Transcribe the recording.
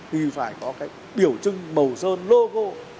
thì phải có cái biểu trưng màu sơn logo